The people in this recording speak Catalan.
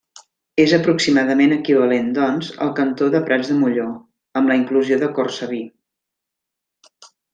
És aproximadament equivalent, doncs, al cantó de Prats de Molló, amb la inclusió de Cortsaví.